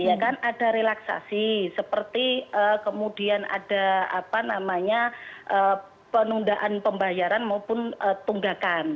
ya kan ada relaksasi seperti kemudian ada apa namanya penundaan pembayaran maupun tunggakan